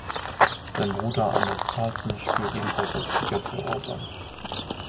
Sein Bruder Anders Carlson spielt ebenfalls als Kicker für Auburn.